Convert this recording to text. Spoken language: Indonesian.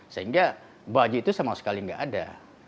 sehingga baju itu sama sekali nggak ada